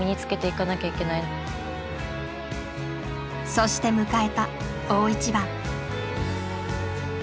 そして迎えた大一番。